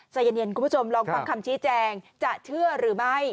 ใจเย็นคุณผู้ชมลองฟังคำชี้แจงจะเชื่อหรือไม่